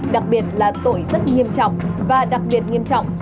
đặc biệt là tội rất nghiêm trọng và đặc biệt nghiêm trọng